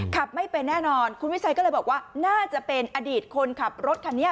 ไม่เป็นแน่นอนคุณวิชัยก็เลยบอกว่าน่าจะเป็นอดีตคนขับรถคันนี้